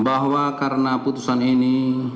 bahwa karena putusan ini